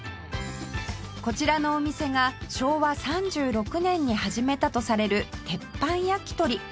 こちらのお店が昭和３６年に始めたとされる鉄板焼き鳥